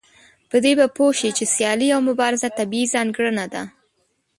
په دې به پوه شئ چې سيالي او مبارزه طبيعي ځانګړنه ده.